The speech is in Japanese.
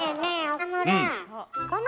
岡村。